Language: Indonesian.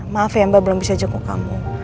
maaf ya mbak belum bisa jangkau kamu